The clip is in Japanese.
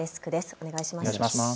お願いします。